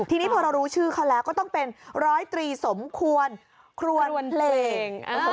ทีนี้พอเรารู้ชื่อเขาแล้วก็ต้องเป็นร้อยตรีสมควรควรเพลง